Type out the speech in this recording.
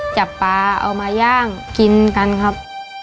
จับปลาเอามาย่างกินกันครับ